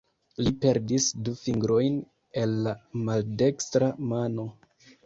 Li perdis du fingrojn el la maldekstra mano.